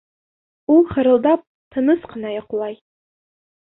Ул хырылдап тыныс ҡына йоҡлай.